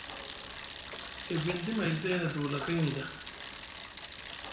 E bindi mayɗi ɗay na duulakay nɵa.